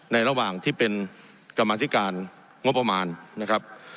ระหว่างที่เป็นกรรมธิการงบประมาณนะครับ